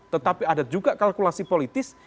tetapi ada juga kalkulasi politis